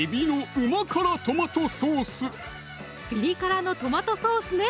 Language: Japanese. １辛ピリ辛のトマトソースね